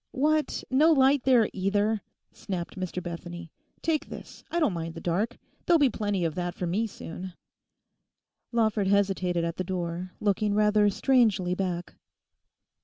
'What, no light there either?' snapped Mr Bethany. 'Take this; I don't mind the dark. There'll be plenty of that for me soon.' Lawford hesitated at the door, looking rather strangely back.